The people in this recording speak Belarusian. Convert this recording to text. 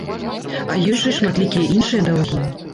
А ёсць жа і шматлікія іншыя даўгі.